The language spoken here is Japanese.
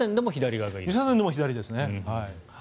２車線でも左ですね。